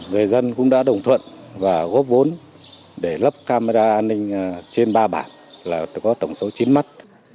người dân cũng đã đồng thuận và góp vốn để lắp camera an ninh trên ba bản là có tổng số chín mắt